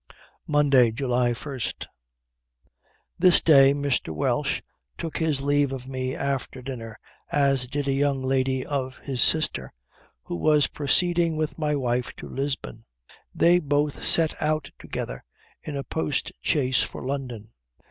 Monday, July 1. This day Mr. Welch took his leave of me after dinner, as did a young lady of her sister, who was proceeding with my wife to Lisbon. They both set out together in a post chaise for London.